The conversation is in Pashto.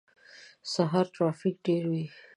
سهار ترافیک ډیر وی